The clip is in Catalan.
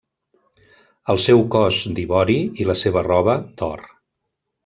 El seu cos, d'ivori, i la seva roba, d'or.